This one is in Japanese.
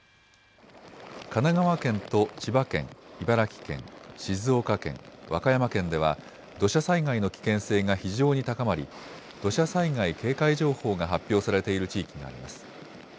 神奈川県と千葉県、茨城県、静岡県、和歌山県では土砂災害の危険性が非常に高まり土砂災害警戒情報が発表されている地域があります。